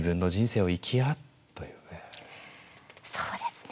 そうですね。